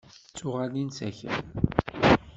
D tuɣalin s akal.